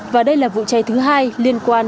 và đây là vụ cháy thứ hai liên quan